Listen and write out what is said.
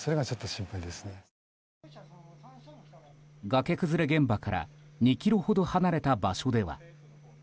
がけ崩れ現場から２ｋｍほど離れた場所では。